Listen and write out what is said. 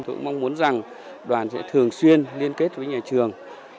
tôi cũng mong muốn rằng đoàn sẽ thường xuyên liên kết với nhà trường